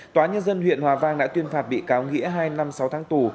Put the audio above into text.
tòa nhân dân huyện hòa vang đã tuyên phạt bị cáo nghĩa hai năm sáu tháng tù